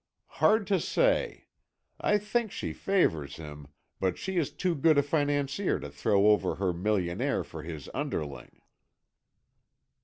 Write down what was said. "Hard to say. I think she favours him, but she is too good a financier to throw over her millionaire for his underling."